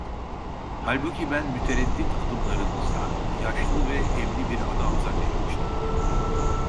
Halbuki ben mütereddit adımlarınızdan yaşlı ve evli bir adam zannetmiştim.